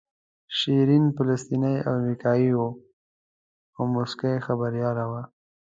شیرین فلسطینۍ او امریکایۍ وه او مسلکي خبریاله وه.